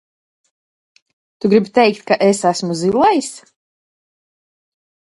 Tu gribi teikt, ka es esmu zilais?